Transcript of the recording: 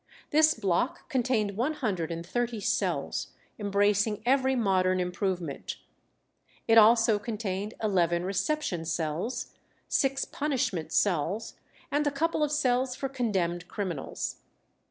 This block contained one hundred and thirty cells, embracing every modern improvement; it also contained eleven reception cells, six punishment cells, and a couple of cells for condemned criminals.